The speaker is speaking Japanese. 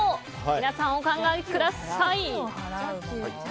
皆さん、お考えください。